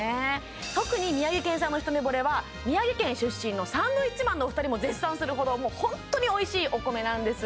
特に宮城県産のひとめぼれは宮城県出身のサンドウィッチマンのお二人も絶賛するほどホントにおいしいお米なんです